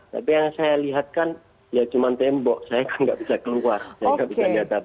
tapi yang saya lihat kan ya cuma tembok saya kan nggak bisa keluar